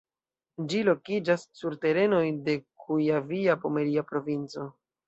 Ĝi lokiĝas sur terenoj de Kujavia-Pomeria Provinco.